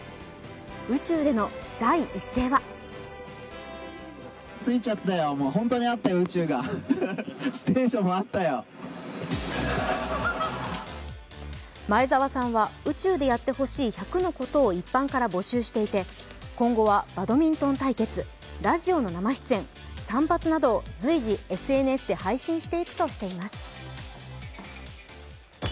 宇宙での第一声は前澤さんは宇宙でやって欲しい１００のことを一般で募集していて今後はバドミントン対決、ラジオの生出演、散髪などを随時ＳＮＳで配信していくとしています。